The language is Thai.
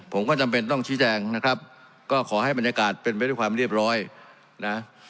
ผมก็จำเป็นต้องชี้แจงนะครับก็ขอให้บรรยากาศเป็นไปด้วยความเรียบร้อยนะ